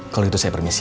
kalau itu saya permisi